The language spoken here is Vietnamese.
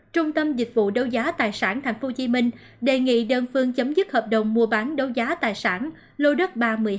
trung tâm dịch vụ đấu giá tài sản thành phố hồ chí minh đề nghị đơn phương chấm dứt hợp đồng mua bán đấu giá tài sản lô đất ba trăm một mươi hai